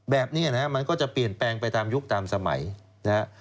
แบบนี้นะฮะมันก็จะเปลี่ยนแปลงไปตามยุคตามสมัยนะฮะ